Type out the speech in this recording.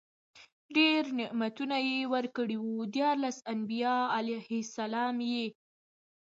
ډير نعمتونه ورکړي وو، ديارلس انبياء عليهم السلام ئي